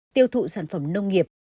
tiêu thụ sản phẩm nông nghiệp